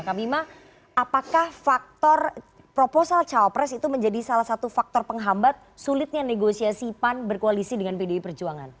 kang bima apakah faktor proposal cawapres itu menjadi salah satu faktor penghambat sulitnya negosiasi pan berkoalisi dengan pdi perjuangan